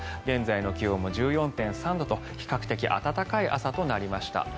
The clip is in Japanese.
現在の気温も１４．３度と比較的暖かい朝となりました。